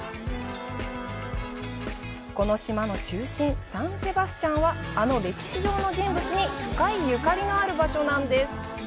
この島の中心、サン・セバスチャンは、あの歴史上の人物に深いゆかりのある場所なんです。